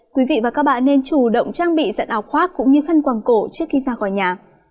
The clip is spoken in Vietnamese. quý vị và các bạn nên chủ động trang bị giận áo khoác cũng như khăn quàng cổ trước khi ra khỏi nhà